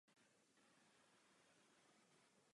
Je to komunikační kanál.